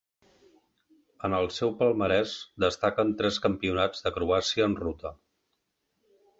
En el seu palmarès destaquen tres Campionats de Croàcia en ruta.